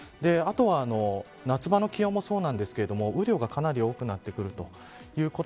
あとは夏場の気温もそうですが雨量がかなり多くなってきます。